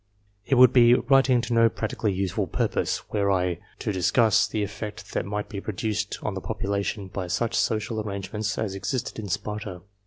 It would be writing to no practically useful purpose, were I to discuss the effect that might be produced on the population, by such social arrangements as existed in Sparta.